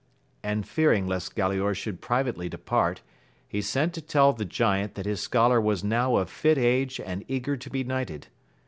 And fearing lesfe Galaor should privately depart, he sent to tell the giant that his scholar was now of fit age and eager to be knighted.